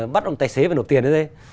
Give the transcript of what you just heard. bắt ông tài xế phải nộp tiền hết đấy